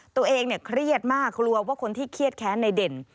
ตัวเองเนี่ยเครียดมากกลัวว่าคนที่เครียดแค้นในเด่น